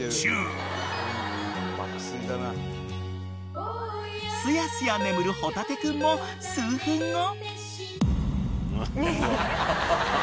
［すやすや眠るほたて君も数分後］